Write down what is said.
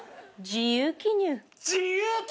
自由記入！？